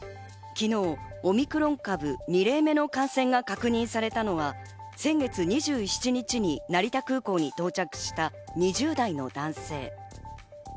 昨日、オミクロン株２例目の感染が確認されたのは、先月２７日に成田空港に到着した２０代の男性。